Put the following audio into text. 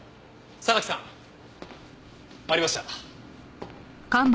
榊さんありました。